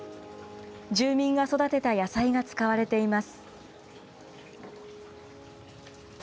住民が育てた野菜が使われています。